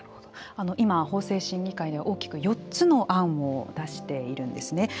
今、法制審議会では大きく４つの案を出しているんですね。